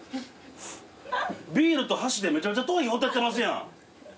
ビールと箸でめちゃめちゃ頭皮ほてってますやん。